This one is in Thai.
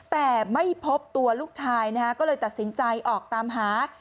แต่ไม่พบตัวลูกชายนะฮะก็เลยตัดสินใจออกตามหา